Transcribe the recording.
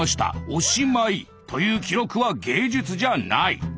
おしまい」という記録は芸術じゃない。